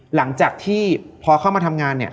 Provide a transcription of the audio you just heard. หลังจากที่พอเข้ามาทำงาน